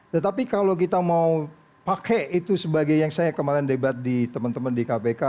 tetapi kalau kita mau pakai itu sebagai yang saya kemarin debat di teman teman di kpk